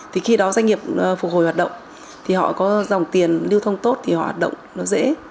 thì khi đó doanh nghiệp phục hồi hoạt động thì họ có dòng tiền lưu thông tốt thì hoạt động nó dễ